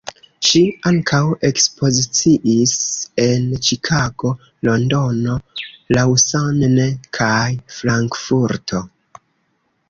Ŝi ankaŭ ekspoziciis en Ĉikago, Londono, Lausanne, kaj Frankfurto.